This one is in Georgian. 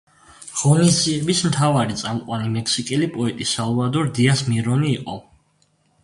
ღონისძიების მთავარი წამყვანი მექსიკელი პოეტი სალვადორ დიას მირონი იყო.